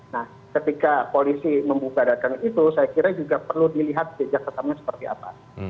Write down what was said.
nah ketika polisi membubarkan itu saya kira juga perlu dilihat jejak ketamanya seperti apa